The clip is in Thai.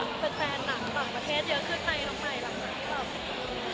เป็นแฟนหนังต่างประเทศเยอะขึ้นใครน้องไหมหลังจากนี้หรือเป็นแฟนหนัง